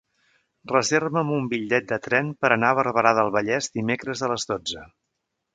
Reserva'm un bitllet de tren per anar a Barberà del Vallès dimecres a les dotze.